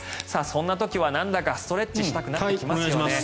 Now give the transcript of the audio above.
そんな時はなんだかストレッチしたくなりますよね。